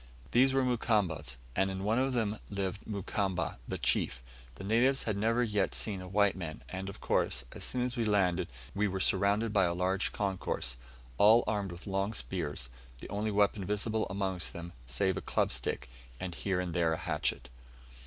These were Mukamba's, and in one of them lived Mukamba, the chief. The natives had yet never seen a white man, and, of course, as soon as we landed we were surrounded by a large concourse, all armed with long spears the only weapon visible amongst them save a club stick, and here and there a hatchet.